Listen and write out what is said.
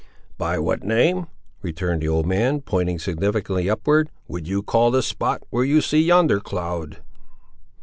"By what name," returned the old man, pointing significantly upward, "would you call the spot, where you see yonder cloud?"